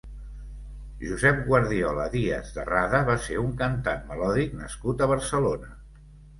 Josep Guardiola Díaz de Rada va ser un cantant melòdic nascut a Barcelona.